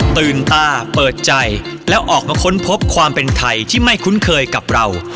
ตื่นตาเปิดใจและออกมาค้นพบความเป็นไทยที่ไม่คุ้นเคยกับเรา